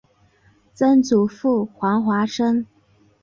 曾祖父黄华生。